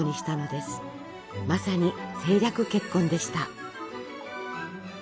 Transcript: まさに政略結婚でした。